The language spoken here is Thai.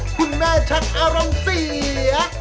คุณแม่ชักอร่องเสีย